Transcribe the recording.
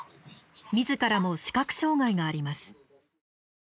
みずからも視覚障害があります。